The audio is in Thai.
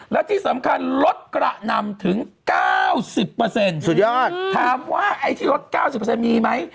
และที่สำคัญลดกระนำถึง๙๐สุดยอดถามว่าไอ้ที่ลด๙๐มีไหม